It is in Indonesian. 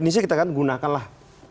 dp empat yang sudah